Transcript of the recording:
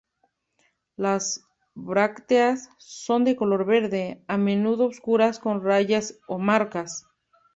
Las brácteas son de color verde, a menudo oscuras con rayas o marcas.